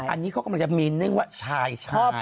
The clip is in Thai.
อันนี้เขากำลังจะมีนึ่งว่าชายชอบ